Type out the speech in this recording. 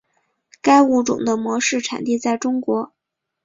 该物种的模式产地在中国。